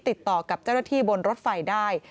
ติดต่อกับเจ้าหน้าที่บนรถไฟได้